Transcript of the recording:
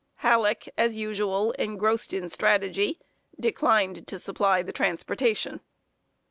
Halleck, as usual, engrossed in strategy, declined to supply the transportation.